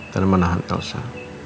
dan menahan elsa